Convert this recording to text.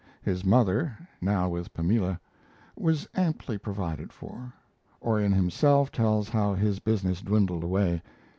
His mother, now with Pamela, was amply provided for. Orion himself tells how his business dwindled away.